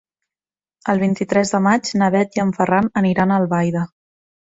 El vint-i-tres de maig na Bet i en Ferran aniran a Albaida.